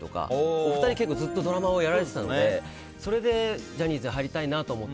お二人、結構ずっとドラマをやられてたのでそれでジャニーズに入りたいなと思って。